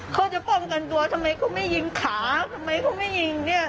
เขาจะป้องกันตัวทำไมเขาไม่ยิงขาทำไมเขาไม่ยิงเนี่ย